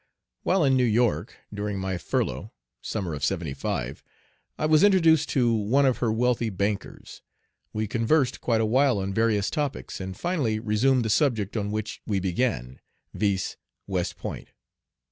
While in New York during my furlough summer of '75 I was introduced to one of her wealthy bankers. We conversed quite a while on various topics, and finally resumed the subject on which we began, viz., West Point.